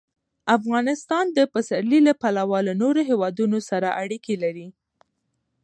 افغانستان د پسرلی له پلوه له نورو هېوادونو سره اړیکې لري.